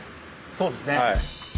そうですね。